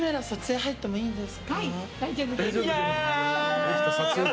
はい、大丈夫です。